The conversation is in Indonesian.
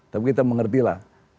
tapi kita mengertilah